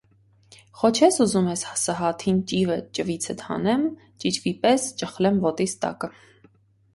Խո չե՞ս ուզում էս սհաթին ճիվը ճվիցդ հանեմ, ճիճվի պես ճխլեմ ոտիս տակը: